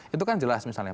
itu kan jelas misalnya